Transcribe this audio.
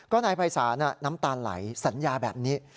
นายภัยศาลน้ำตาลไหลสัญญาแบบนี้